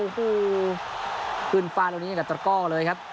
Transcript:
พึ่นฟานตรงนี้กับตะก็อเลยครับ